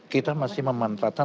kita masih memanfaatkan